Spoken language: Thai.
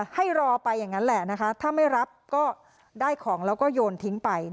ให้รอไปอย่างนั้นแหละนะคะถ้าไม่รับก็ได้ของแล้วก็โยนทิ้งไป